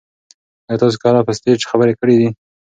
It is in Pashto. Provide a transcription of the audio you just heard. ایا تاسي کله په سټیج خبرې کړي دي؟